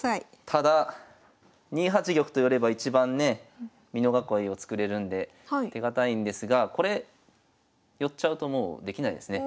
ただ２八玉と寄れば一番ね美濃囲いを作れるんで手堅いんですがこれ寄っちゃうともうできないですね。